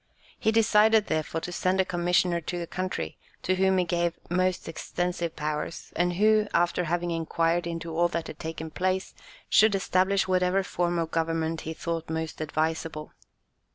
He decided, therefore, to send a commissioner to the country, to whom he gave most extensive powers, and who, after having inquired into all that had taken place, should establish whatever form of government he thought most advisable.